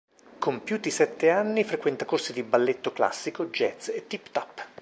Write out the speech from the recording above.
Compiuti i sette anni, frequenta corsi di balletto classico, jazz e tip-tap.